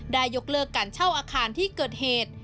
ยกเลิกการเช่าอาคารที่เกิดเหตุ